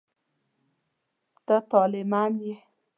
ته طالع من یې.